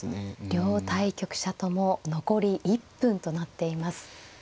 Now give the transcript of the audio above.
両対局者とも残り１分となっています。